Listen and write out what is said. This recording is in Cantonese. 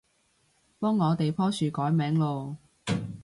幫我哋棵樹改名囉